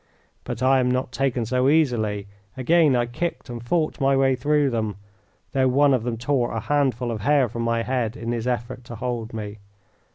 But I am not taken so easily. Again I kicked and fought my way through them, though one of them tore a handful of hair from my head in his effort to hold me.